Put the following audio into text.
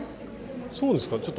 そうですか？